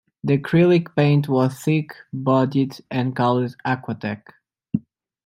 The acrylic paint was thick bodied and called "Aquatec".